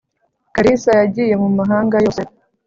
karisa yagiye mu mahanga yose.